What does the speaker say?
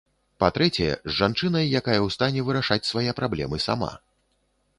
Па-трэцяе, з жанчынай, якая ў стане вырашаць свае праблемы сама.